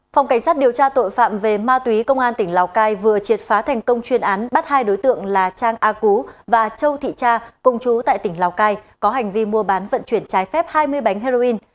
phòng cảnh sát điều tra tội phạm về ma túy công an tỉnh lào cai vừa triệt phá thành công chuyên án bắt hai đối tượng là trang a cú và châu thị cha công chú tại tỉnh lào cai có hành vi mua bán vận chuyển trái phép hai mươi bánh heroin